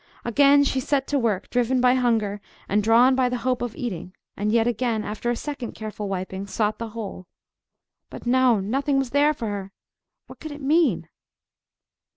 Again she set to work, driven by hunger, and drawn by the hope of eating, and yet again, after a second careful wiping, sought the hole. But no! nothing was there for her! What could it mean?